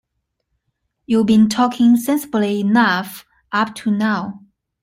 You’ve been talking sensibly enough up to now.